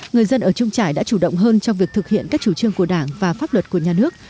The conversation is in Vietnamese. người dân ở trung trải đã chủ động hơn trong việc thực hiện các chủ trương của đảng và pháp luật của nhà nước